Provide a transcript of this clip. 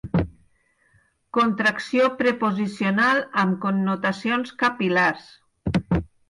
Contracció preposicional amb connotacions capil·lars.